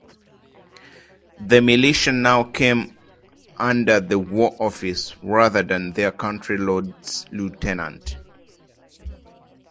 The militia now came under the War Office rather than their county lords lieutenant.